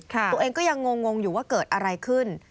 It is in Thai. ตัวเองก็ยังงงอยู่ว่าเกิดอะไรขึ้น